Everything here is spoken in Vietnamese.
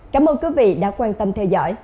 cảm ơn quý vị đã quan tâm theo dõi